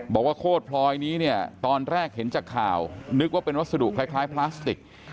โคตรพลอยนี้เนี่ยตอนแรกเห็นจากข่าวนึกว่าเป็นวัสดุคล้ายพลาสติก